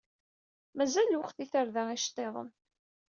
Mazal lweqt i tarda iceṭṭiḍen.